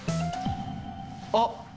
あっ！